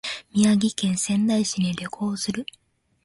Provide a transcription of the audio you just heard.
宮城県仙台市に旅行する